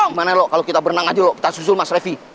gimana lo kalau kita berenang aja lo kita susul mas refi